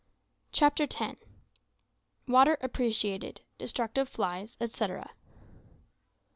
CHAPTER TEN. WATER APPRECIATED DESTRUCTIVE FILES, ETCETERA.